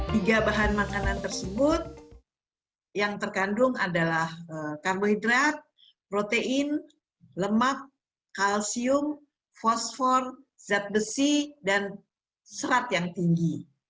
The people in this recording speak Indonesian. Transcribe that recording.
tiga bahan makanan tersebut yang terkandung adalah karbohidrat protein lemak kalsium fosfor zat besi dan serat yang tinggi